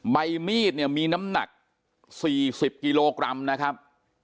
ใบมีดเนี่ยมีน้ำหนัก๔๐กิโลกรัมนะครับ